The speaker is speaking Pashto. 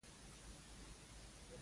زه د اوبو څنډه خوښوم.